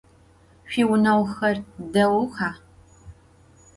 Şüiğuneğuxer değuxa?